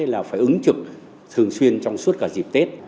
là phải ứng trực thường xuyên trong suốt cả dịp tết